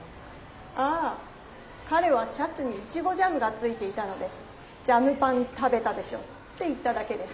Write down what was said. あぁかれはシャツにイチゴジャムがついていたので「ジャムパン食べたでしょ」って言っただけです。